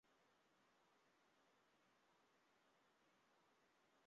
因比图巴是巴西圣卡塔琳娜州的一个市镇。